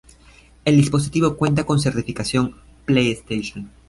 El dispositivo cuenta con certificación PlayStation.